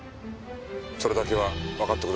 それだけはわかってください。